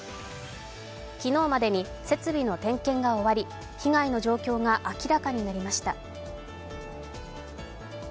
昨日までに設備の点検が終わり被害の状況が明らかになりました。